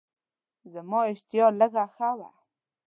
زما اشتها لږه ښه وه.